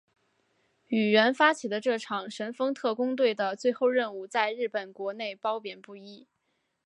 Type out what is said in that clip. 宇垣发起的这场神风特攻队的最后任务在日本国内褒贬不一。